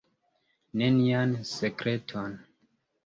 Nenian sekreton.